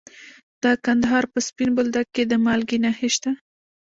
د کندهار په سپین بولدک کې د مالګې نښې شته.